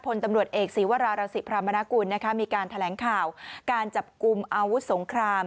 พลตำรวจเอกศีวรารังศิพรามนากุลมีการแถลงข่าวการจับกลุ่มอาวุธสงคราม